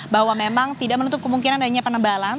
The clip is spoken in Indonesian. bahwa memang tidak menutup kemungkinan adanya penebalan